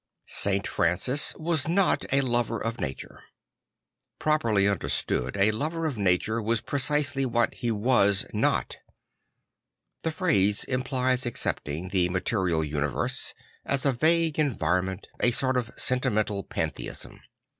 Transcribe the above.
St. Francis ",yas not a lover of nature. Properly understood, a lover of nature was precisely what he was not. The phrase implies accepting the ma terial universe as a vague en vironmen t, a sort of sentimental pantheism.